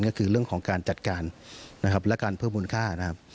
ก็คือเรื่องของการจัดการและการเพิ่มมูลค่า